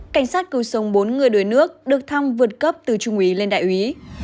cảnh sát cứu sống bốn người đuổi nước được thăm vượt cấp từ trung ý lên đại ý